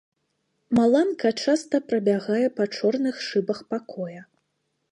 Маланка часта прабягае па чорных шыбах пакоя.